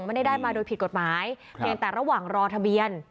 ไม่ได้ได้มาโดยผิดกฎหมายเพียงแต่ระหว่างรอทะเบียน